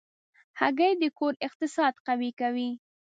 هګۍ د کور اقتصاد قوي کوي.